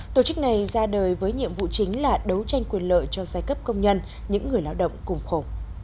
tổ chức này ra đời với nhiệm vụ chính là đấu tranh quyền lợi cho giai cấp công nhân những người lao động cùng khổ